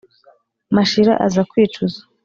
mashira aza kwicuza